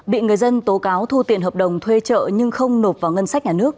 bị người dân tố cáo thu tiền hợp đồng thuê trợ nhưng không nộp vào ngân sách nhà nước